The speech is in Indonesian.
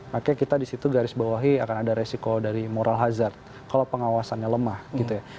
makanya kita disitu garis bawahi akan ada resiko dari moral hazard kalau pengawasannya lemah gitu ya